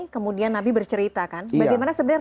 kemudian nabi bercerita kan bagaimana sebenarnya